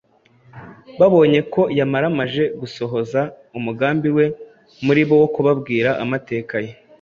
Babonye ko yamaramaje gusohoza umugambi we muri bo wo kubabwira amateka ye,